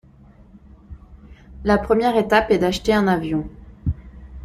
La première étape est d'acheter un avion.